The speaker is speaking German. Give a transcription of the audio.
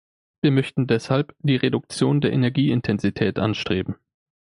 Wir möchten deshalb die Reduktion der Energieintensität anstreben.